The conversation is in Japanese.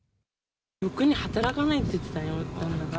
ろくに働かないって言ってた、旦那が。